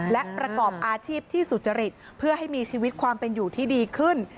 และประกอบอาชีพที่สุจริตเพื่อให้มีชีวิตความเป็นอยู่ที่ดีขึ้น